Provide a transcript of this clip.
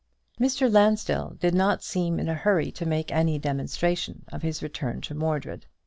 Mr. Lansdell did not seem in a hurry to make any demonstration of his return to Mordred.